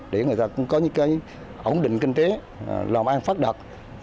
để người ta cũng có những cái ổn định kinh tế lòm an phát đọc